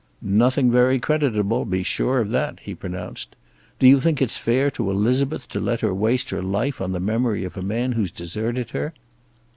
"Nothing very creditable, be sure of that," he pronounced. "Do you think it is fair to Elizabeth to let her waste her life on the memory of a man who's deserted her?"